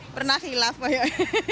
pernah hilaf pak